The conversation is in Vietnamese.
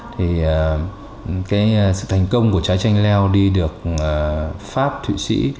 thì cái sự thành công của trái chanh leo đi được pháp thụy sĩ